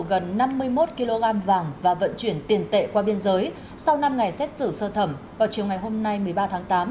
gần năm mươi một kg vàng và vận chuyển tiền tệ qua biên giới sau năm ngày xét xử sơ thẩm vào chiều ngày hôm nay một mươi ba tháng tám